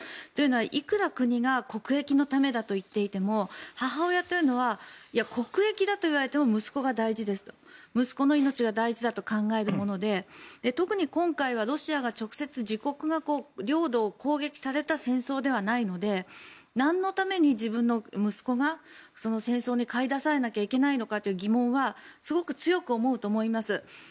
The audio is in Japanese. というのは、いくら国が国益のためだといっていても母親というのは国益だといわれても息子が大事です息子の命が大事だと考えるもので特に今回はロシアが直接自国が領土を攻撃された戦争ではないのでなんのために自分の息子が戦争に駆り出されなきゃいけないのかという疑問はすごく強く思うと思います。